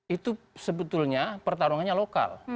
itu sebetulnya pertarungannya lokal